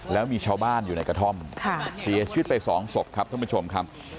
แล้วมีชาวบ้านอยู่ในกระท่อมเสียชีวิตไปสองศพครับท่านผู้ชมครับ